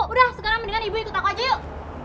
udah sekarang mendingan ibu ikut aja yuk